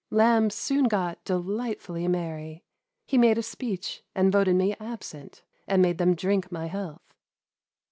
Lamb soon got delightfully merry. He made a speech and voted me absent, and made them drink my health.